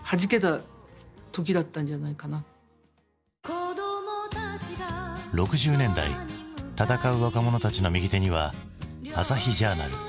当時の６０年代闘う若者たちの右手には「朝日ジャーナル」。